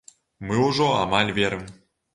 Мы ўжо амаль верым.